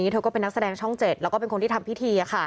เธอก็เป็นนักแสดงช่อง๗แล้วก็เป็นคนที่ทำพิธี